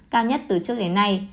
cao nhất từ trước đến nay